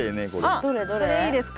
あっそれいいですか？